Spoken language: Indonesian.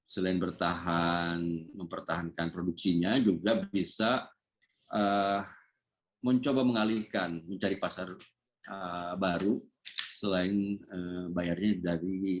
selain bertahan mempertahankan produksinya juga bisa mencoba mengalihkan mencari pasar baru selain bayarnya dari eropa dan mungkin amerika